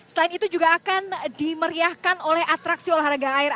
selain itu juga akan dimeriahkan oleh atraksi olahraga air